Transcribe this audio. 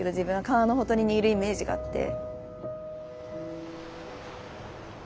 川のほとりにいるイメージがあって。